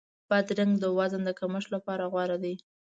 بادرنګ د وزن د کمښت لپاره غوره دی.